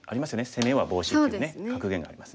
「攻めはボウシ」っていうね格言がありますね。